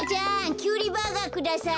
キュウリバーガーください。